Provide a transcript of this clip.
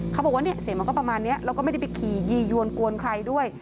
เขาบอกว่าเนี่ยเสียงมันก็ประมาณนี้แล้วก็ไม่ได้ไปขี่ยียวนกวนใครด้วย